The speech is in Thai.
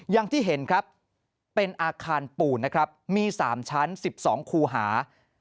อย่างที่เห็นครับเป็นอาคารปูนนะครับมี๓ชั้น๑๒คูหา